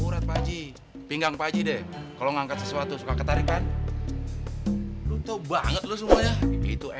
daripada ambang harus liat kamu seperti ini